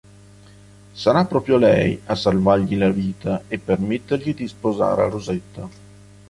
Sarà proprio lei a salvargli la vita e permettergli di sposare Rosetta.